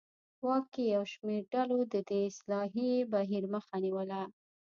واک کې یو شمېر ډلو د دې اصلاحي بهیر مخه نیوله.